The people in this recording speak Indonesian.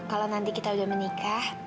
kalau nanti kita udah menikah